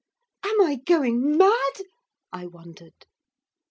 'Am I going mad?' I wondered.